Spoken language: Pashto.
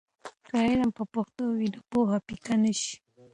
که علم په پښتو وي، نو پوهه پیکه نه شي.